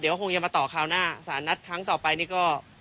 เดี๋ยวคงจะมาต่อคราวหน้าสารนัดครั้งต่อไปนี่ก็